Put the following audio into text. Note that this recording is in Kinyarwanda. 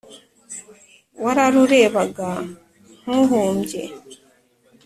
wararurebaga ntuhumbye